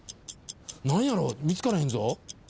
何やろう見つからへんぞ。